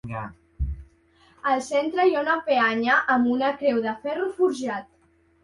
Al centre hi ha una peanya amb una creu de ferro forjat.